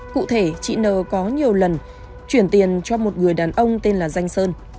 cụ thể chị n có nhiều lần chuyển tiền cho một người đàn ông tên là danh sơn